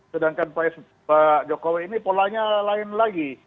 sedangkan pak jokowi ini polanya lain lagi